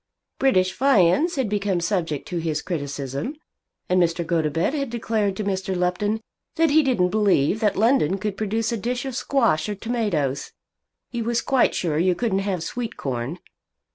British viands had become subject to his criticism, and Mr. Gotobed had declared to Mr. Lupton that he didn't believe that London could produce a dish of squash or tomatoes. He was quite sure you couldn't have sweet corn.